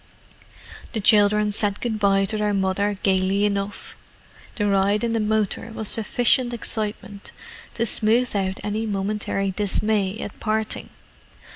The children said good bye to their mother gaily enough: the ride in the motor was sufficient excitement to smooth out any momentary dismay at parting.